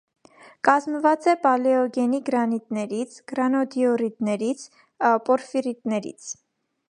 Կազմված է պալեոգենի գրանիտներից, գրանոդիորիդներից, պորֆիրիտներից։